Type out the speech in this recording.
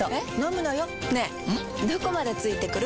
どこまで付いてくる？